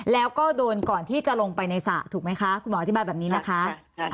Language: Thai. แล้วก็โดนก่อนที่จะลงไปในสระถูกไหมคะคุณหมออธิบายแบบนี้นะคะ